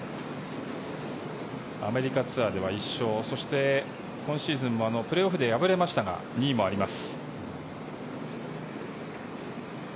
アメリカツアーでは１勝そして今シーズンもプレーオフで敗れましたが２位もあります。